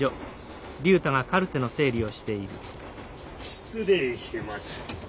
失礼します。